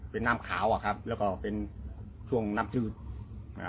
เป็นน้ำขาวอ่ะครับแล้วก็เป็นช่วงน้ำจืดอ่า